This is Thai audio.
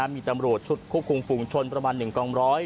มีตำรวจชุดคุกคลุงฝุ่งชนประมาณ๑กอง๑๐๐